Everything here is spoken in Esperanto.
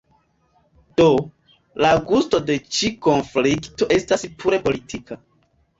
Do, la gusto de ĉi konflikto estas pure politika.